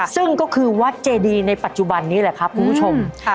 ซึ่งก็คือวัดเจดีในปัจจุบันนี้แหละครับคุณผู้ชม